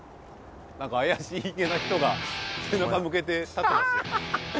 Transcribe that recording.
何か怪しげな人が背中向けて立ってますよ。